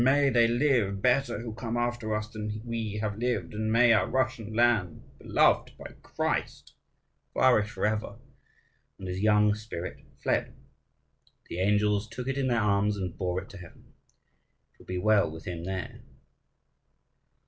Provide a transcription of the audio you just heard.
May they live better who come after us than we have lived; and may our Russian land, beloved by Christ, flourish forever!" and his young spirit fled. The angels took it in their arms and bore it to heaven: it will be well with him there.